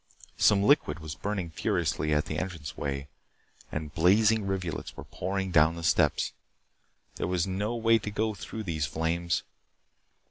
Some liquid was burning furiously at the entrance way, and blazing rivulets were pouring down the steps. There was no way to go through those flames.